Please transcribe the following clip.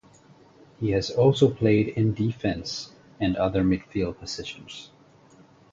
He has also played in defence and other midfield positions.